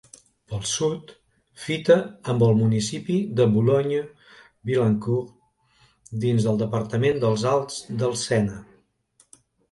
Pel sud, fita amb el municipi de Boulogne-Billancourt, dins del departament dels Alts del Sena.